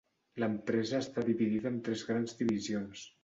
L'empresa està dividida en tres grans divisions: